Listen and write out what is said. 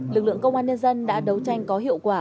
lực lượng công an nhân dân đã đấu tranh có hiệu quả